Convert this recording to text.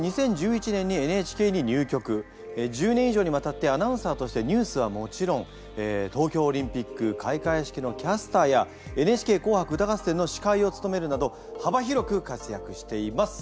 大学卒業後１０年以上にわたってアナウンサーとしてニュースはもちろん東京オリンピック開会式のキャスターや「ＮＨＫ紅白歌合戦」の司会をつとめるなど幅広く活躍しています。